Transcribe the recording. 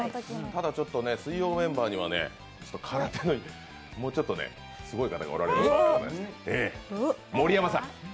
ただちょっと水曜メンバーには空手のもうちょっとね、すごい方がおられるんですよね、盛山さん。